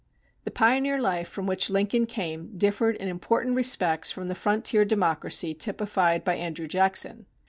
The pioneer life from which Lincoln came differed in important respects from the frontier democracy typified by Andrew Jackson.